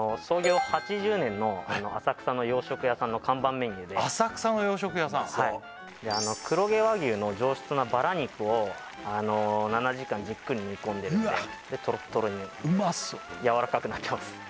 創業８０年の浅草の洋食屋さんの看板メニューで浅草の洋食屋さん黒毛和牛の上質なバラ肉を７時間じっくり煮込んでるんでトロットロにやわらかくなってます